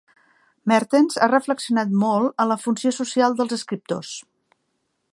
Mertens ha reflexionat molt en la funció social dels escriptors.